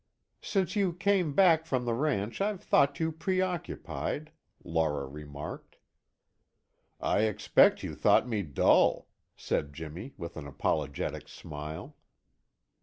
"Since you came back from the ranch I've thought you preoccupied," Laura remarked. "I expect you thought me dull," said Jimmy with an apologetic smile.